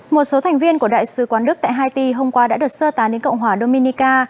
một số thành viên của đại sứ quán đức tại haiti hôm qua đã được sơ tán đến cộng hòa dominica